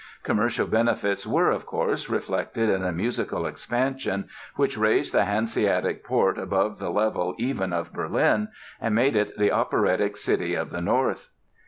Commercial benefits were, of course, reflected in a musical expansion which raised the Hanseatic port above the level even of Berlin and made it the operatic city of the North.